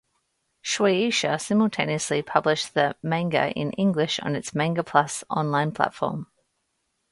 Shueisha simultaneously published the manga in English on its "Manga Plus" online platform.